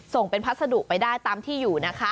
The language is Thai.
ส่งเป็นพัสดุไปได้ตามที่อยู่นะคะ